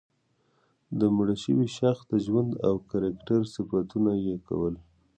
د مړه شوي شخص د ژوند او کرکټر صفتونه یې کول.